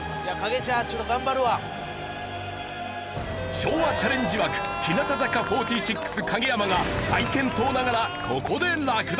昭和チャレンジ枠日向坂４６影山が大健闘ながらここで落第。